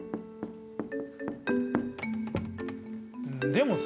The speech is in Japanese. でもさ